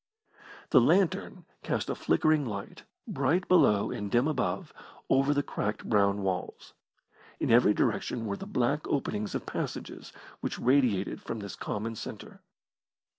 The lantern cast a flickering light, bright below and dim above, over the cracked brown walls. In every direction were the black openings of passages which radiated from this common centre.